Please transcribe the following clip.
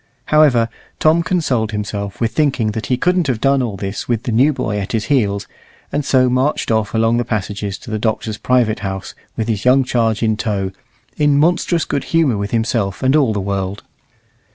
However, Tom consoled himself with thinking that he couldn't have done all this with the new boy at his heels, and so marched off along the passages to the Doctor's private house with his young charge in tow, in monstrous good humour with himself and all the world.